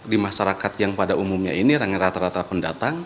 di masyarakat yang pada umumnya ini rata rata pendatang